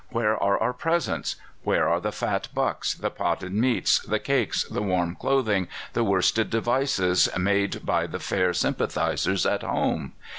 Where are our presents? where are the fat bucks, the potted meats, the cakes, the warm clothing, the worsted devices made by the fair sympathizers at home?